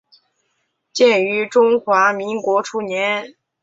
建于中华民国初年。